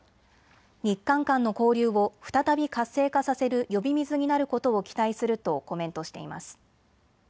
日韓間の交流を再び活性化させる呼び水になることを期待するとコメントしています。